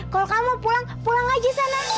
kalau kamu pulang pulang aja sana